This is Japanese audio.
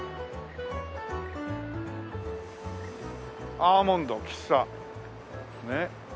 「アーモンド喫茶」ねえ。